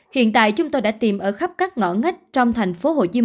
hiện tại chúng tôi đã tìm ở khắp các ngõ ngách trong tp hcm